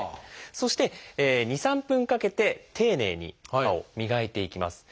そして２３分かけて丁寧に歯を磨いていきます。